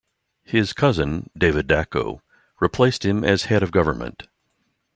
His cousin, David Dacko, replaced him as head of Government.